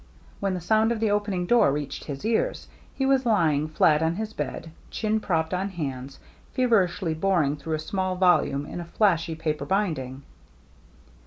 When the sound of the opening door reached his ears, he was lying flat on his bed, chin propped on hands, feverishly boring through a small volume in a flashy paper binding.